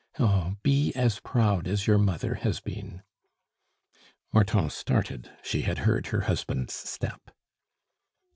Oh! be as proud as your mother has been." Hortense started; she had heard her husband's step.